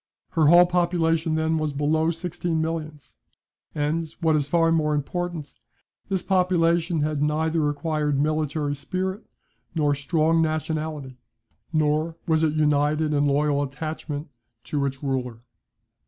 Her whole population then was below sixteen millions; and, what is far more important, this population had neither acquired military spirit, nor strong nationality; nor was it united in loyal attachment to its ruler.